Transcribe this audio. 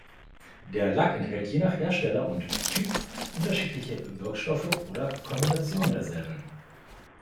Der Lack enthält je nach Hersteller und Typ unterschiedliche Wirkstoffe oder Kombinationen derselben.